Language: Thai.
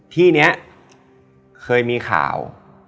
ที่นี้เคยมีข่าว